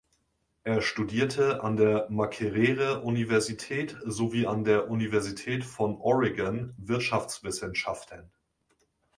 Er studierte an der Makerere-Universität sowie an der Universität von Oregon Wirtschaftswissenschaften.